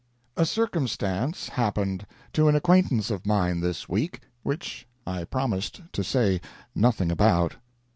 A circumstance happened to an acquaintance of mine this week, which I promised to say nothing about.